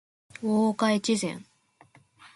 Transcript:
大岡越前